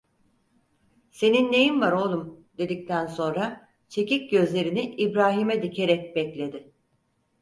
Senin neyin var, oğlum? dedikten sonra, çekik gözlerini İbrahim'e dikerek bekledi.